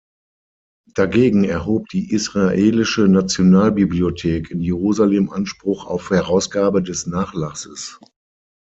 Dagegen erhob die Israelische Nationalbibliothek in Jerusalem Anspruch auf Herausgabe des Nachlasses.